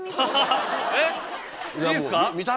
えっいいですか？